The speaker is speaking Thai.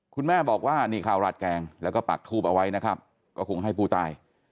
คุณแม่บอกว่านี่ข้าวราดแกงแล้วก็ปักทูบเอาไว้นะครับก็คงให้ผู้ตาย